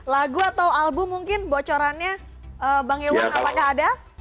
lagu atau album mungkin bocorannya bang iwan apakah ada